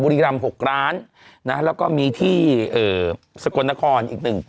บูรีรำ๖ล้านนะแล้วก็มีที่สกวนทะคอมอีกหนึ่ง